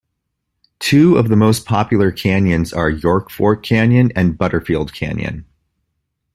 Two of the most popular canyons are Yellow Fork Canyon and Butterfield Canyon.